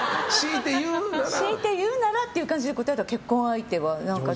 しいて言うならって感じで答えたら結婚相手はって。